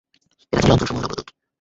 এরা ছিল অঞ্চলসমূহের অগ্রদূত।